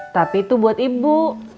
tapi itu buat ibu